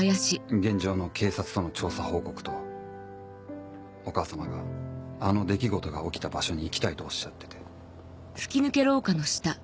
現状の警察との調査報告とお母さまがあの出来事が起きた場所に行きたいとおっしゃってて。